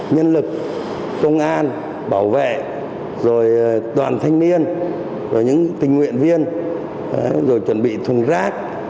nhân lực công an bảo vệ rồi toàn thanh niên rồi những tình nguyện viên rồi chuẩn bị thùng rác